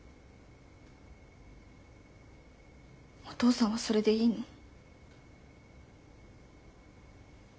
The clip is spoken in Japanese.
お父さんはそれでいいの？